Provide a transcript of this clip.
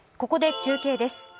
ここで中継です。